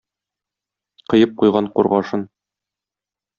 Коеп куйган кургашын.